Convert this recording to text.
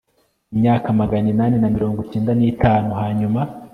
imyaka magana inani na mirongo cyenda n itanu hanyuma